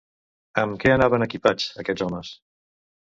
Amb què anaven equipats, aquests homes?